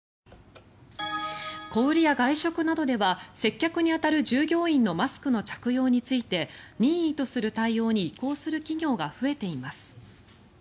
小売りや外食などでは接客に当たる従業員のマスクの着用について任意とする対応に移行する企業が増えています。